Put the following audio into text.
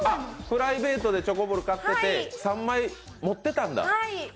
プライベートでチョコボール買ってて、３枚持ってたんだ。